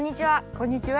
こんにちは。